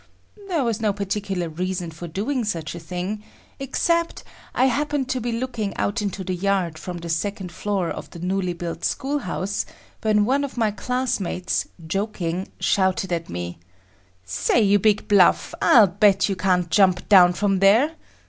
There was no particular reason for doing such a thing except I happened to be looking out into the yard from the second floor of the newly built school house, when one of my classmates, joking, shouted at me; "Say, you big bluff, I'll bet you can't jump down from there!